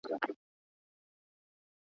که پرمختګ روان وي هېوادونه غښتلي کیږي.